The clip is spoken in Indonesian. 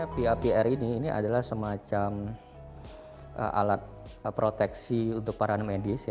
papr ini adalah semacam alat proteksi untuk para medis